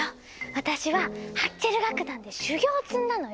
私はハッチェル楽団で修業を積んだのよ。